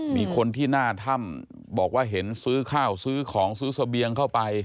มีคนที่หน้าถ้ำบอกว่าเห็นซื้อข้าวซื้อของซื้อเสบียงเข้าไป